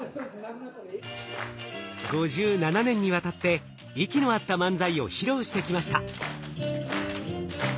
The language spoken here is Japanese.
５７年にわたって息の合った漫才を披露してきました。